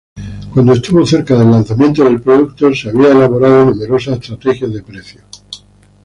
Cuando estuvo cerca el lanzamiento del producto, se habían elaborado numerosas estrategias de precios.